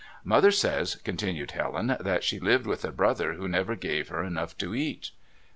"Mother says," continued Helen, "that she lived with a brother who never gave her enough to eat."